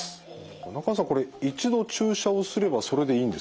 中川さんこれ一度注射をすればそれでいいんですか？